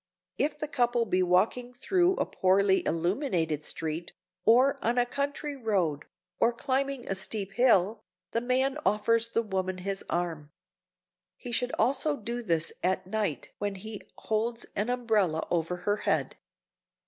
If the couple be walking through a poorly illuminated street, or on a country road, or climbing a steep hill, the man offers the woman his arm. He should also do this at night when he holds an umbrella over her head.